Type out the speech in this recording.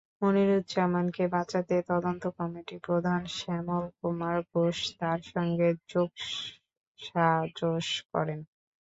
মনিরুজ্জামানকে বাঁচাতে তদন্ত কমিটির প্রধান শ্যামল কুমার ঘোষ তাঁর সঙ্গে যোগসাজশ করেন।